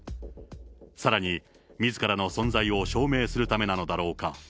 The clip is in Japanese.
さらにみずからの存在を証明するためなのだろうか。